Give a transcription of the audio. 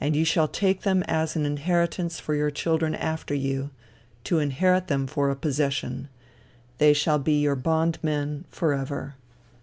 And ye shall take them as an inheritance for your children after you, to inherit them for a possession, they shall be your bond men forever.